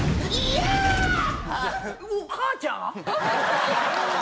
「えっお母ちゃん？」